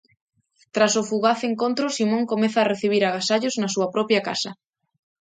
Tras o fugaz encontro, Simon comeza a recibir agasallos na súa propia casa.